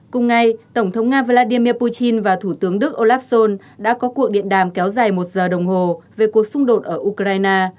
cùng ngày tổng thống nga vladimir putin và thủ tướng đức olaf schol đã có cuộc điện đàm kéo dài một giờ đồng hồ về cuộc xung đột ở ukraine